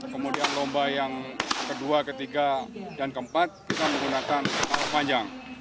kemudian lomba yang kedua ketiga dan keempat kita menggunakan alat panjang